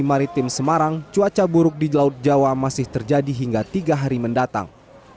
di maritim semarang cuaca buruk di laut jawa masih terjadi hingga tiga hari mendatang